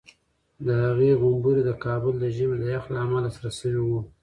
د هغې غومبوري د کابل د ژمي د یخ له امله سره شوي وو.